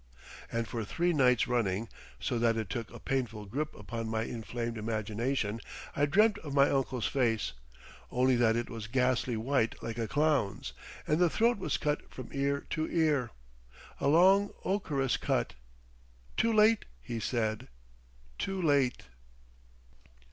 And for three nights running, so that it took a painful grip upon my inflamed imagination, I dreamt of my uncle's face, only that it was ghastly white like a clown's, and the throat was cut from ear to ear—a long ochreous cut. "Too late," he said; "Too late!..."